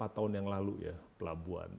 lima tahun yang lalu ya pelabuhan